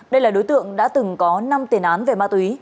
đây là đối tượng đã từng có năm tiền án về ma túy